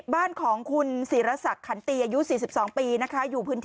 บ้านของคุณศิรษักรณ์ขันตีอายุ๔๒ปีนะคะ